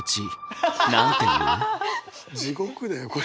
地獄だよこれ。